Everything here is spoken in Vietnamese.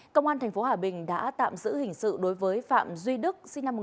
công an tp hòa bình đã tạm giữ hình sự đối với phạm duy đức